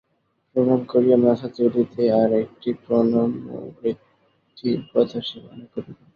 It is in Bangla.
প্রণাম করিয়া মাথা তুলিতেই আর একটি প্রণম্য ব্যক্তির কথা সে মনে করিল।